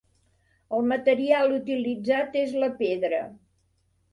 El material utilitzat és la pedra.